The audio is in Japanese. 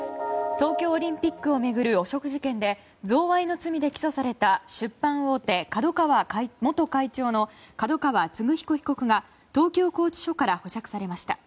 東京オリンピックを巡る汚職事件で贈賄の罪で起訴された出版大手ＫＡＤＯＫＡＷＡ元会長の角川歴彦被告が東京拘置所から保釈されました。